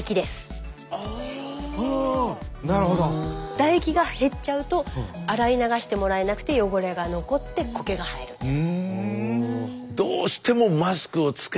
唾液が減っちゃうと洗い流してもらえなくて汚れが残って苔が生えるんです。